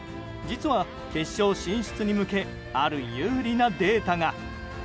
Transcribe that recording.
実は、決勝進出に向けある有利なデータが。